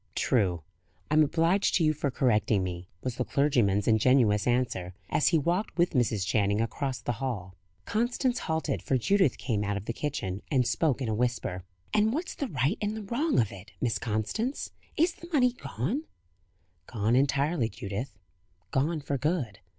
"True. I am obliged to you for correcting me," was the clergyman's ingenuous answer, as he walked, with Mrs. Channing, across the hall. Constance halted, for Judith came out of the kitchen, and spoke in a whisper. "And what's the right and the wrong of it, Miss Constance? Is the money gone?" "Gone entirely, Judith. Gone for good."